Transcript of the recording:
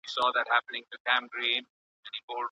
هغه ئې په بل صفت موصوفه کړه، نو هغه طلاقه ده.